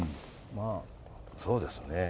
まあそうですね。